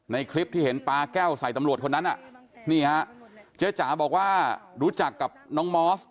ในคลิปที่เห็นปลาแก้วใส่ตำรวจคนนั้นนี่ฮะเจ๊จ๋าบอกว่ารู้จักกับน้องมอส